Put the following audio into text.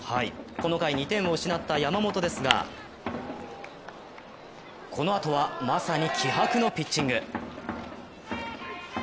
この回２点を失った山本ですがこのあとは、まさに気迫のピッチング。